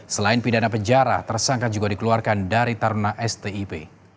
selain pidana penjara tersangka juga dikeluarkan dari taruna stip